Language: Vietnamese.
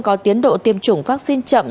có tiến độ tiêm chủng vaccine chậm